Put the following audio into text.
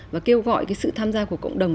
và kêu gọi cái sự tham gia của cộng đồng